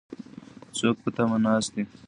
څوک په تمه ناست دي؟